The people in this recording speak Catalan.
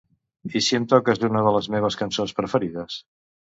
I si em toques una de les meves cançons preferides?